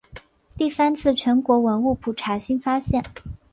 第三次全国文物普查新发现。